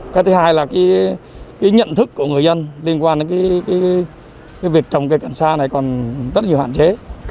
cái thứ hai là cái nhận thức của người dân liên quan đến cái việc trồng cây cận sa này còn rất nhiều hạn chế